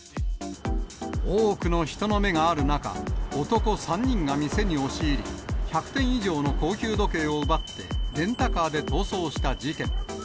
多くの人の目がある中、男３人が店に押し入り、１００点以上の高級時計を奪って、レンタカーで逃走した事件。